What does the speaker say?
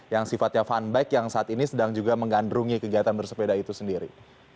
yang sifatnya funbike yang saat ini sedang juga menggandrungi kegiatan bersepeda itu sendiri